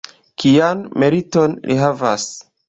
Kian meriton li havas?